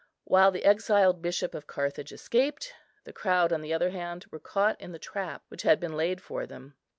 While the exiled Bishop of Carthage escaped, the crowd, on the other hand, were caught in the trap which had been laid for them.